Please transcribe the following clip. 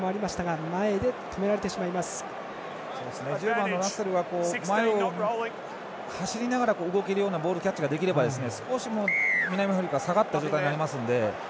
１０番のラッセルが前に走りながら動けるようなボールキャッチができれば少し南アフリカが下がった状態になりますので。